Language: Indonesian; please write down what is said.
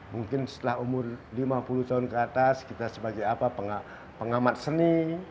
mungkin setelah umur lima puluh tahun ke atas kita sebagai apa pengamat seni atau ya memberikan ya pengamat seni